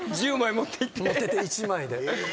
持って行って１枚で。